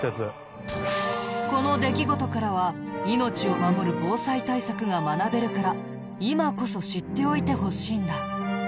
この出来事からは命を守る防災対策が学べるから今こそ知っておいてほしいんだ。